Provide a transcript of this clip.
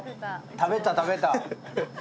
食べた食べた。